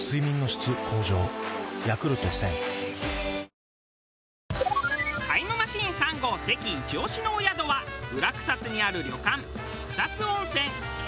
「ミノン」タイムマシーン３号関イチ押しのお宿は裏草津にある旅館